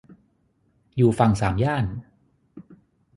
อยู่ฝั่งสามย่าน